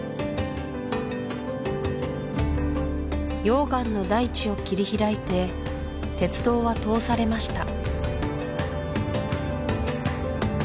溶岩の大地を切り開いて鉄道は通されました